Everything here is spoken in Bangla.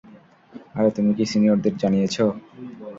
আরে, তুমি কি সিনিয়রদের জানিয়েছ?